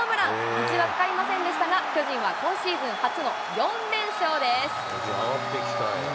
虹はかかりませんでしたが、巨人は今シーズン初の４連勝です。